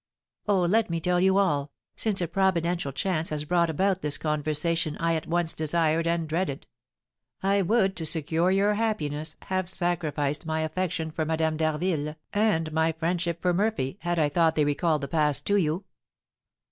"Oh, let me tell you all, since a providential chance has brought about this conversation I at once desired and dreaded! I would, to secure your happiness, have sacrificed my affection for Madame d'Harville and my friendship for Murphy, had I thought they recalled the past to you."